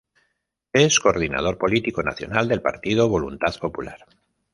Es coordinador político nacional del partido Voluntad Popular.